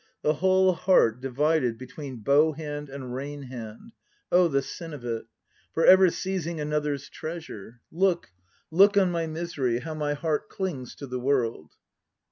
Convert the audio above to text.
The whole heart divided between bow hand and rein hand, oh the sin of it! For ever seizing another's treasure! Look, look on my misery, how my heart clings to the World